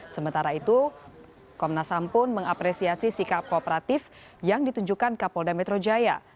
sementara itu komnas ham pun mengapresiasi sikap kooperatif yang ditunjukkan kapolda metro jaya